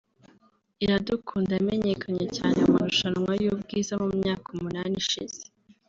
Iradukunda wamenyekanye cyane mu marushanwa y’ubwiza mu myaka umunani ishize